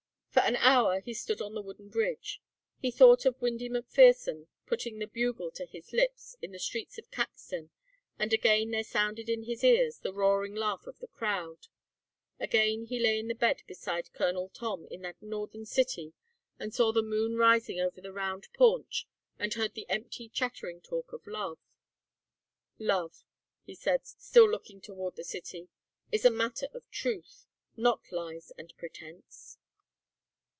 For an hour he stood on the wooden bridge. He thought of Windy McPherson putting the bugle to his lips in the streets of Caxton and again there sounded in his ears the roaring laugh of the crowd; again he lay in the bed beside Colonel Tom in that northern city and saw the moon rising over the round paunch and heard the empty chattering talk of love. "Love," he said, still looking toward the city, "is a matter of truth, not lies and pretence."